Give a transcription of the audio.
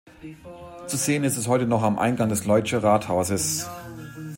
Zu sehen ist es heute noch am Eingang des Leutzscher Rathauses.